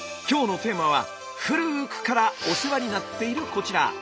今日のテーマは古くからお世話になっているこちら。